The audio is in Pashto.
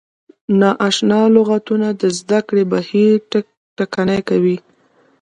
نا اشنا لغتونه د زده کړې بهیر ټکنی کوي.